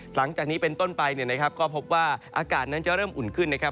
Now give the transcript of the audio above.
หลังจากนี้เป็นต้นไปเนี่ยนะครับก็พบว่าอากาศนั้นจะเริ่มอุ่นขึ้นนะครับ